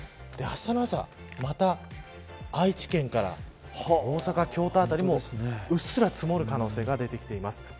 あしたの朝、また愛知県から大阪、京都辺りもうっすら積もる可能性が出てきています。